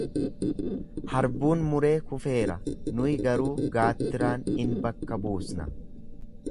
Harbuun muree kufeera, nuyi garuu gaattiraan in bakka buusna.